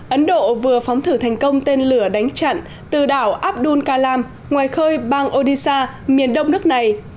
ấn độ vừa phóng thử thành công tên lửa đánh chặn từ đảo abdul kalam ngoài khơi bang odisha miền đông nước này